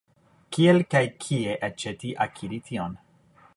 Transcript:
Kiel kaj kie aĉeti, akiri tion?